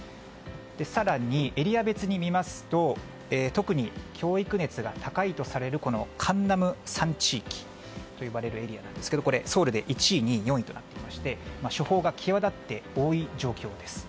更に、エリア別に見ますと特に教育熱が高いとされるカンナム３地域と呼ばれるエリアなんですがソウルで１位、２位、４位とありまして処方が際立って多い状況です。